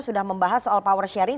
sudah membahas soal power sharing